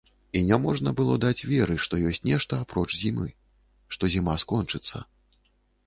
І няможна было даць веры, што ёсць нешта, апроч зімы, што зіма скончыцца.